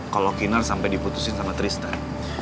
kalo kinar sampe diputusin sama tristan